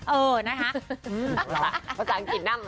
เออนะฮะ